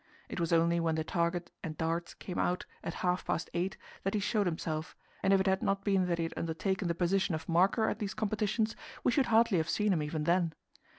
It was only when the target and darts came out at half past eight that he showed himself, and if it had not been that he had undertaken the position of marker at these competitions, we should hardly have seen him even then.